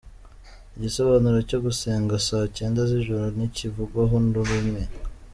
Igisobanuro cyo gusenga saa cyenda z’ijoro ntikivugwaho rumwe.